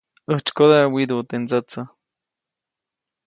ʼÄjtsykoda widuʼu teʼ ndsätsä.